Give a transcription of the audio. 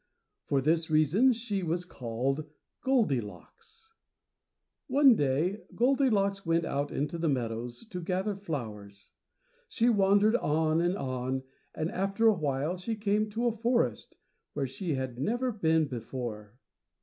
For this reason she was called Goldilocks. One day Goldilocks went out into the meadows to gather flowers. She wandered on and on, and after a while she came to a forest, where she had never been before.